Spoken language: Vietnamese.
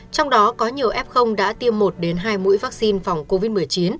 trong đó có nhiều f đã tiêm một hai mũi vaccine phòng covid một mươi chín